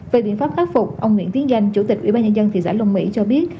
về biện pháp khắc phục ông nguyễn tiến danh chủ tịch ủy ban nhân dân thị xã long mỹ cho biết